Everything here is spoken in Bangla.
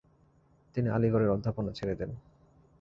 তিনি আলিগড়ের অধ্যাপনা ছেড়ে দেন।